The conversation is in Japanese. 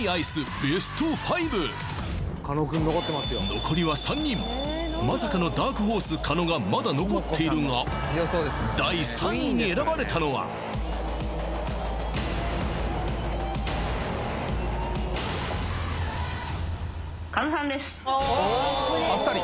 残りは３人まさかのダークホース狩野がまだ残っているがに選ばれたのは狩野さんです